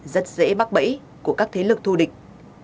rất dễ mắc bẫy của các thế lực thù địch